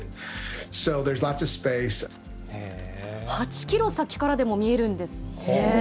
８キロ先からでも見えるんですって。